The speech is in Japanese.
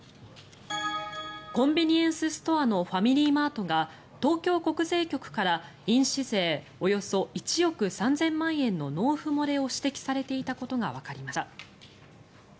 コンビニエンスストアのファミリーマートが東京国税局から印紙税およそ１億３０００万円の納付漏れを指摘されていたことがわかりました。